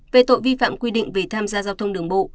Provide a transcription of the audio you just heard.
về tội vi phạm quy định về tham gia giao thông đường bộ